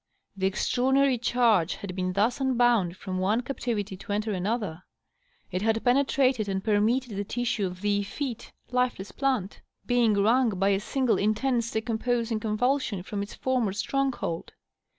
The extraordinary chai^ had been thus unbound from one cap tivity to enter another ; it had penetrated and permeated the tissue of the effete, lifeless plant, being wrung by a single intense decomposing convulsion from its former stronghold.